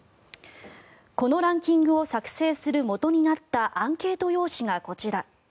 このランキングを作成するもとになったアンケート用紙がこちら。